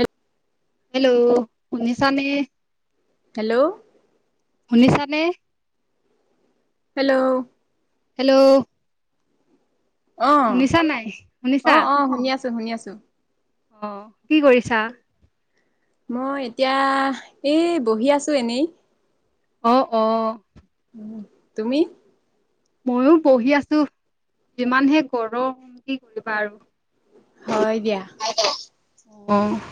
এক হেল্ল', শুনিছানে। হেল্ল', শুনিছানে হেল্ল', হেল্ল', অহ শুনিছা নাই - শুনিছা অহ - অহ শুনি আছো - শুনি আছো। অ, কি কৰিছা। মই এতিয়া এই বহি আছো এনেই। অ', - অ',। তুমি? মইও বহি আছো। যিমানহে গৰম কি কৰিবা আৰু। হয় দিয়া। অহ ',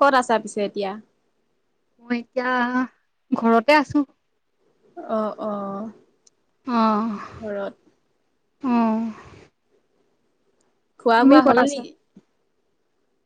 ক'ত আছা পিছে এতিয়া। মই এতিয়া ঘৰতে আছো। অহ - অহ। অহ ', খোৱা তুমি বোৱা ক'ত হ'ল আছা নেকি?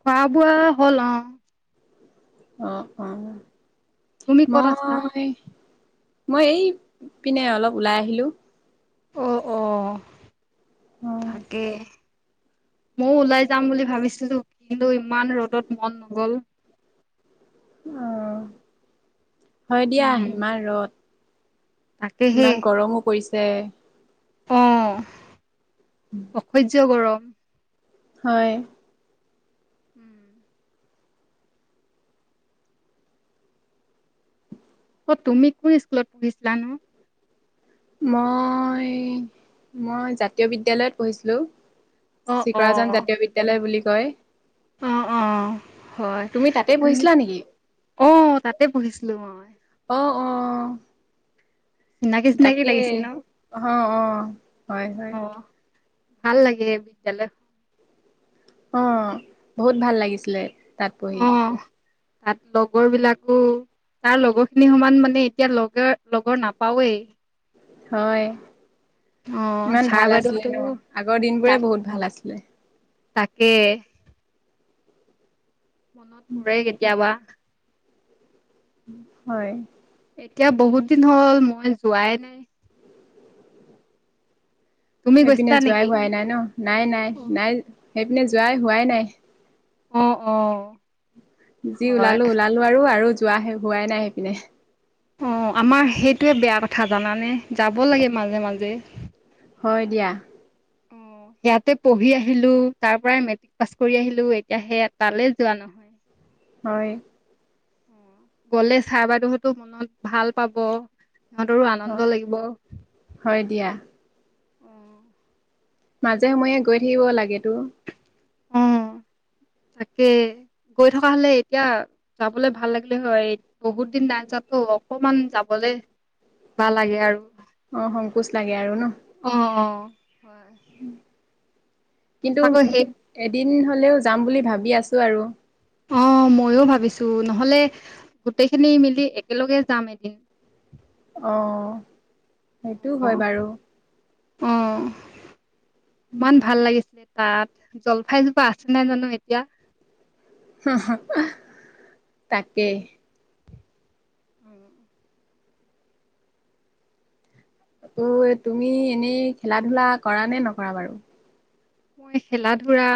খোৱা বোৱা হ'ল অ, অ - অ তুমি ক'ত আছা মই মই, এই পিনে অলপ ওলাই আহিলো। অ অ অ তাকে ময়ও ওলাই যাম বুলি ভাবিছিলো। কিন্তু, ইমান ৰ'দত মন নগল। অ, হয় দিয়া উম ইমান ৰদ। তাকেহে ইমান গৰমো পৰিছে। অ, অসহ্য গৰম। হয়। উম অ, তুমি কোন স্কুলত পঢ়িছিলা নো। [unintelligible] মই - মই জাতীয় বিদ্যালয়ত পঢ়িছিলো। অ অ চিকৰাজান জাতীয় বিদ্যালয় বুলি কয়। অ - অ। হয় তুমি তাতে পঢ়িছিলা শুনিছো। নেকি? অহ, তাতে পঢ়িছিলো মই। চিনাকি চিনাকি তাকেই লাগিছে ন অ - অ হয় - হয়। অ ভাল লাগে বিদ্যালয়। অ, বহুত ভাল লাগিছিলে তাত পঢ়ি। অ তাত লগৰ বিলাকো। তাৰ লগৰ খিনি সমান মানে এতিয়া লগৰ - লগৰ নাপাওৱেই। হয়। অ ইমান ছাৰ ভাল আছিলে বাইদেউহতকো ন আগৰ দিনবোৰে তাক বহুত ভাল আছিলে। তাকে, মনত পৰে কেতিয়াবা। হয়। এতিয়া বহুত দিন হ'ল মই যোৱাই নাই। তুমি সেইপিনে গৈছিলা যোৱাই নেকি? হোৱাই নাই ন, নাই- নাই -নাই সেইপিনে যোৱাই হোৱাই নাই। অ - অ। যি হয় ওলালো - ওলালো আৰু- আৰু যোৱাহে হোৱাই নাই সেইপিনে। অ, আমাৰ সেইটোৱে বেয়া কথা জানানে যাব লাগে মাজে- মাজে। হয় দিয়া। অ, ইয়াতে পঢ়ি আহিলো তাৰ পৰাই মেট্ৰিক পাছ কৰি আহিলো এতিয়া সে তালৈ যোৱা নহয়। হয়। হয়। গ'লে চাৰ বাইদেউহতো মনত ভাল পাব। ইতৰো আনন্দ লাগিব। হয় দিয়া। অ', মাজে সময়ে গৈ থাকিব লাগেতো। অ, তাকে। গৈ থকা হলে এতিয়া যাবলৈ ভাল লাগিলে হয়, বহুত দিন নাই যোৱাতো অকমান যাব ভাল লাগে আৰু। অ, সংকোচ লাগে আৰু ন। অ', অ', হয়। কিন্তু সঁচাকৈ সেই এদিন হলেও যাম বুলি ভাবি আছো আৰু। অ, ময়ো ভাবিছো নহলে গোটেইখিনি মিলি একেলগে যাম এদিন। [inaudible] অ, সেইটো হয় অ', বাৰু। অ, ইমান ভাল লাগিছিলে। তাত জলফাইজোপা আছে নাই জানো এতিয়া। তাকে। উম, ত, তুমি এনেই খেলা ধূলা কৰা নে নকৰা বাৰু। মই খেলা ধূলা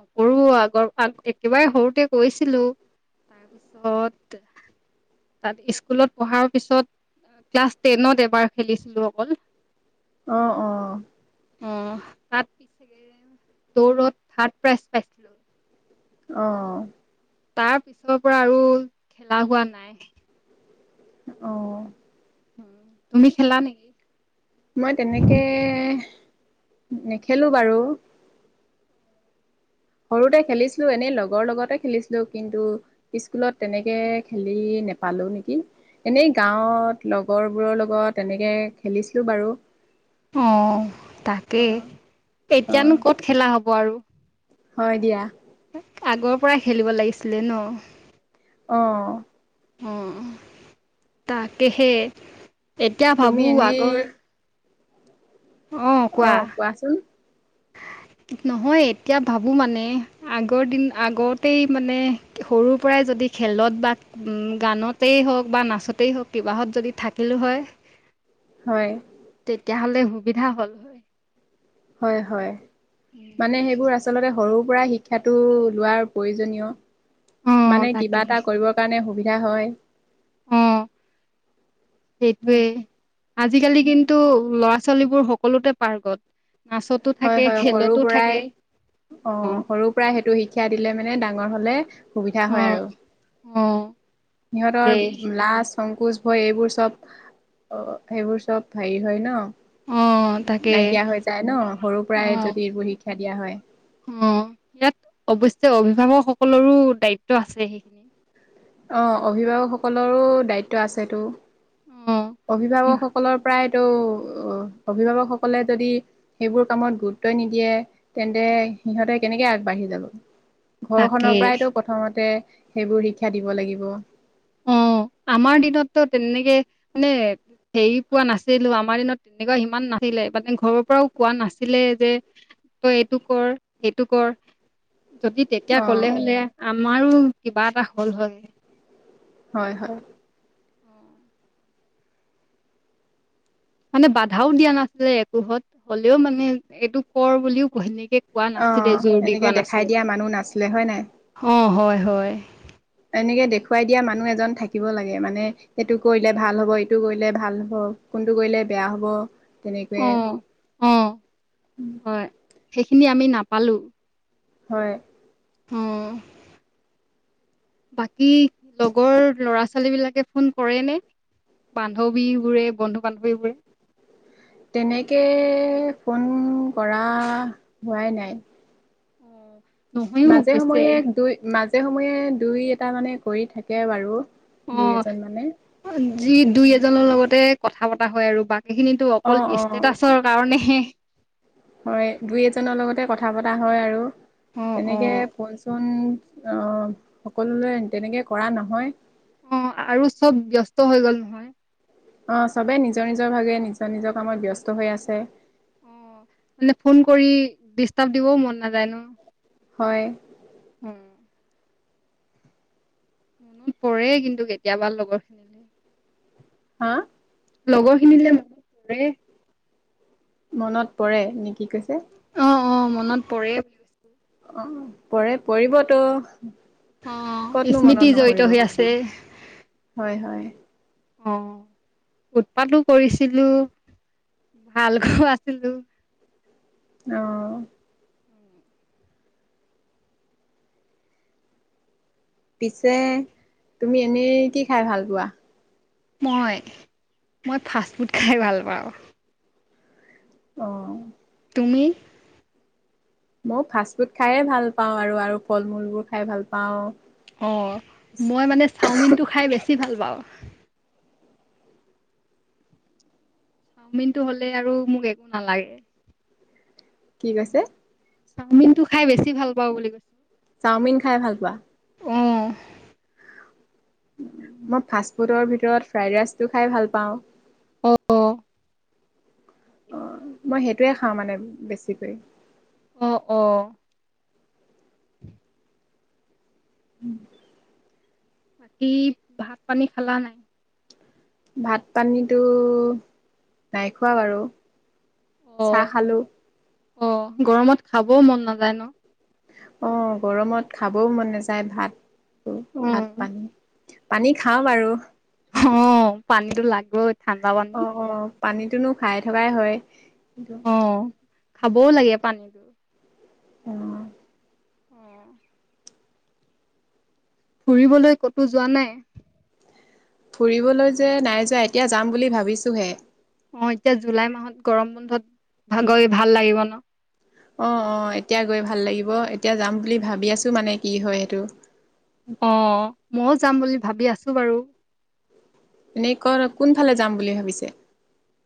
নকৰো আগৰ একেবাৰে সৰুতে কৰিছিলো। তাৰপিছত তাত স্কুলত পঢ়াৰ পিছত ক্লাছ টেনত এবাৰ খেলিছিলো অকল। অ', - অ', অ, তাত পিছে দৌৰত থাৰ্ড প্ৰাইজ পাইছিলো। [unintelligible] অ', তাৰ পিছৰ পৰা আৰু খেলা হোৱা নাই। অ', উম, তুমি খেলা নেকি? মই তেনেকে নেখেলো বাৰু সৰুতে খেলিছিলো এনেই লগৰ লগতে খেলিছিলো, কিন্তু স্কুলত তেনেকে খেলি নেপালো নেকি। এনেই গাৱত লগৰবোৰৰ লগত এনেকে খেলিছিলো বাৰু। অ, তাকেই অ এতিয়ানো ক'ত খেলা হ'ব আৰু। হয় দিয়া। আগৰ পৰা খেলিব লাগিছিলে ন। অ', অ, তাকেহে এতিয়া তুমি ভাবো আগৰ এনেই অ, কোৱাচোন। [inaudible] নহয়, এতিয়া ভাবো মানে আগৰ দিন আগতেই মানে সৰুৰ পৰাই যদি যদি খেলত বা গানতেই হওঁক বা নাচতেই হওঁক কিবাহত যদি থাকিলোঁ হয়। হয় তেতিয়াহ'লে সুবিধা হ'ল হয়। হয়-হয় মানে সেইবোৰ আচলতে সৰু সুৰা শিক্ষাটো লোৱাৰ প্ৰয়োজনীয়, অ', মানে তাকে কিবা এটা কৰিবৰ কাৰণে সুবি ধা হয়। অ', সেইটোৱে! আজিকালি কিন্তু ল'ৰা ছোৱালীবোৰ সকলোতে পাৰ্গত। নাচতো থাকে হয়-হয় সৰুৰ খেলতো থাকে পৰাই অ' সৰুৰ পৰাই সেইটো শিক্ষা দি দিলে মানে ডাঙৰ হলে সুবিধা অ হয় আৰু অ সিহঁতৰ তাকেই লাজ সংকোচ, ভয় এইবোৰ চব! অ' এইবোৰ চব হেৰি হয় ন'। অ তাকেই নাইকিয়া হৈ যায় ন' সৰুৰ পৰাই অ যদি এইবোৰ শিক্ষা দিয়া হয়। অ' ইয়াত অৱশ্যে অভিভাৱক সকলৰো দায়িত্ব আছে সেইখিনি। অ' অভিভাৱক সকলৰো দায়িত্ব আছেতো। অ অভিভাৱক সকলৰ প্ৰায় ত' অভিভাৱকসকলে যদি সেইবোৰ কামত গুৰুত্বই নিদিয়ে তেন্তে সিহঁতে কেনেকে আগবাঢ়ি যাব। তাকে ঘৰখনৰ পৰাইতো প্ৰথমতে সেইবোৰ শিক্ষা দিব লাগিব। অ' আমাৰ দিনতটো তেনেকে মানে হেৰি পোৱা নাছিলো আমাৰ দিনত তেনেকুৱা ইমান নাছিলে, মানে ঘৰৰ পৰাও কোৱা নাছিলে যে তই এইটো কৰ সেইটো কৰ। যদি তেতিয়া অ কলে হ'লে আমাৰো কিবা এটা হল হয়। হয়-হয়। অ'। মানে বাধাও দিয়া নাছিলে একোহত হ'লেও মানে এইটো কৰ বুলিও হেনেকে কোৱা অ নাছিলে যোৰ দি এনেকে কোৱা দেখাই নাছিলে, দিয়া মানুহ নাছিলে হয় নাই অ' হয়-হয়। তেনেকে দেখুৱাই দিয়া মানুহ এজন থাকিব লাগে, মানে এইটো কৰিলে ভাল হ'ব এইটো কৰিলে ভাল হ'ব। সেইটো কৰিলে বেয়া হ'ব, তেনেকৈয়ে অ', অ', উম। হয় সেইখিনি আমি নাপালোঁ। হয়। হম্। বাকী লগৰ ল'ৰা-ছোৱালী বিলাকে ফোন কৰেনে? বান্ধৱী বোৰে বন্ধু-বান্ধৱী বোৰে? তেনেকে ফোন কৰা হোৱাই নাই। উম। মাজে সময়ে দুই মাজে সময়ে দুই এটা মানে কৰি থাকে বাৰু। দুই এজন মানে অ' যি দুই এজনৰ লগতে কথা পতা হয় আৰু বাক সেইখিনিতো অকল অঁ অঁ ষ্টেটাচৰ কাৰণেহে। হয় দুই এজনৰ লগতে কথা পতা হয় আৰু অ', তেনেকে অ', ফোন - চোন অ' সকলো তেনেকে কৰা নহয়। অ' আৰু চ'ব ব্যস্ত হৈ গ'ল নহয়। অহ' চবেই নিজৰ নিজৰ ভাগে নিজৰ নিজৰ কামত ব্যস্ত হৈ আছে। অ' মানে ফোন কৰি ডিষ্টাৰ্ব দিবও মন নাযায় ন। হয়। উম। মনত পৰে কিন্তু কেতিয়াবা লগত হা লগৰখিনি যে এই মনত পৰে নে কি কৈছা? অ' অ' মনত পৰে বুলি কৈছোঁ। অ' পৰে পৰিবতো। অ', কতনো স্মৃতি মনত জড়িত নপৰিব হৈ আছে। হয়, হয়। অ' উৎপাতোঁ কৰিছিলোঁ। ভালকৈ আছিলোঁ। অহ' পিছে তুমি এনেই কি খাই ভাল পোৱা? মই, মই ফাষ্ট ফুড খাই ভাল পাওঁ। অহ' তুমি? মও ফাষ্ট ফুড খাইে ভাল পাওঁ আৰু আৰু ফল মূলবোৰ খাই ভাল পাওঁ। অ' মই মানে চাওমিনটো খাই বেছি ভাল পাওঁ। চাওমিনতটো হ'লে আৰু মোক একো নালাগে। কি কৈছে? চাওমিন টো খাই বেছি ভাল পাওঁ বুলি কৈছো। চাওমিন খাই ভাল পোৱা? অ', মই ফাষ্ট ফুডৰ ভিতৰত ফ্ৰাইড ৰাইচটো খাই ভাল পাওঁ। অ। অ মই সেইটোৱে খাওঁ মানে বেছিকৈ। অ অ। উম। [unintelligible] বাকী ভাত পানী খালা নাই? ভাত পানীটো নাই খোৱা বাৰু। চাহ অ', খালো। অ গৰমত খাবও মন নাযায় ন? অ গৰমত খাবও মন নাযায় ভাতটো, উম, ভাত পানী। পানী খাওঁ বাৰু। হঁ, পানীতো লাগব ঠাণ্ডা পানী। পানীতোনো খাই থকাই হয়। অ, খাবও লাগে পানীটো। অ। অ। ফুৰিবলৈ কতো যোৱা নাই? ফুৰিবলৈ যে নাই যোৱা, এতিয়া যাম বুলি ভাবিছোহে। অ এতিয়া জুলাই মাহত গৰম বন্ধত ভা গৈ ভাল লাগিব ন? অ অ এতিয়া গৈ ভাল লাগিব এতিয়া যাম বুলি ভাবি আছো মানে কি হয় সেইটো অ মইয়ো যাম বুলি ভাবি আছো বাৰু এনেই কৰ কোনফালে যাম বুলি ভাবিছে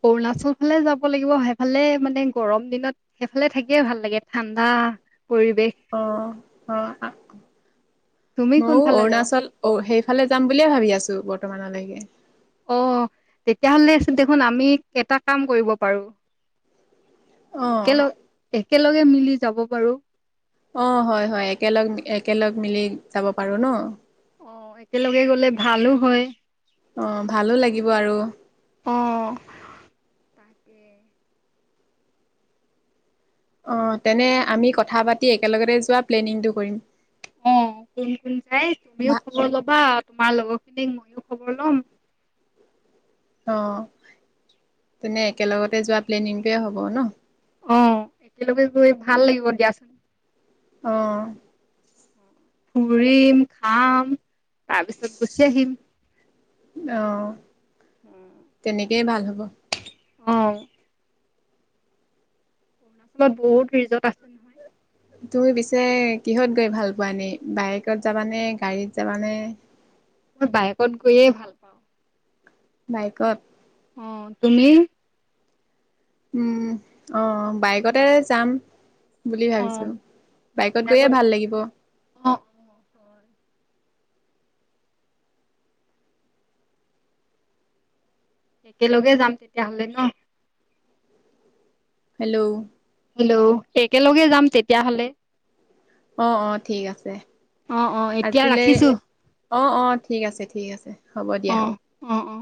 অৰুণাচল ফালে যাব লাগিব সেইফালে মানে গৰম দিনত সেইফালে থাকিয়ে ভাল লাগে ঠাণ্ডা পৰিৱেশ। অ অ তুমি ময়ো কোনফালে যাবা অৰুণাচল সেইফালে যাম বুলিয়ে ভাবি আছো বৰ্তমানলৈকে অ তেতিয়াহলে দেখোন আমি এটা কাম কৰিব পাৰো অ', একেলগ একেলগে মিলি যাব পাৰো অ হয় হয় একেলগ একেলগ মিলি যাব পাৰো ন অ একেলগে গ'লে ভালো হয় আহ ভালো লাগিব আৰু অ তাকে অ তেনে আমি কথা পাতি একেলগতে যোৱা প্লেনিংটো কৰিম অ কোন কোন যায় তুমিও ভা খবৰ ল'বা তোমাৰ লগৰখিনিক মইয়ো খবৰ ল'ম অ তেনে একেলগতে যোৱা প্লেনিংটোৱে হ'ব ন অ একেলগে গৈ ভাল লাগিব দিয়া আহ ফুৰিম খাম তাৰপিছত গুচি আহিম আহ উম [unintelligible] ভাল হ'ব অ অৰুণাচলত বহুত ৰিজৰ্ট আছ তুমি পিছে কিহত গৈ ভাল পোৱা নে বাইকত যাবানে গাড়ীত যাবানে মই বাইকত গৈয়ে ভাল পাওঁ। বাইকত। অঁ তুমি? উম আহ বাইকতে যাম। বুলি ভাবিছো, অ বাইকত গৈয়ে ভাল লাগিব। অ অ হয়। একেলগে যাম তেতিয়াহলে ন? হেল্ল' হেল্ল' একেলগে যাম তেতিয়হলে। অ অ ঠিক আছে। অ অ এতিয়া আজিলৈ ৰাখিছো। অঁ অঁ ঠিক আছে ঠিক আছে হ'ব দিয়া। অ অ অ